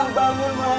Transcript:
ma bangun ma